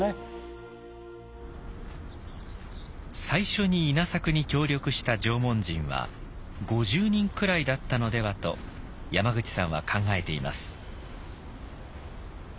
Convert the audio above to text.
最初に稲作に協力した縄文人は５０人くらいだったのではと山口さんは考えています。